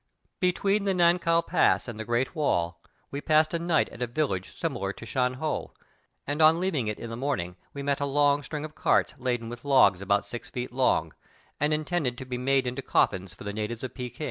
Between the Nankow Pass and the great wall we passed a night at a village similar to Sha Ho, and on leaving it in the morning we met a long string of carts laden with logs about six feet long, 190 THE TALKING HANDKERCHIEF. ' and intended to be made into co'ffins for the natives of Pekin.